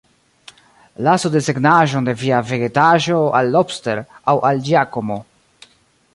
Lasu desegnaĵon de via vegetaĵo al Lobster aŭ al Giacomo.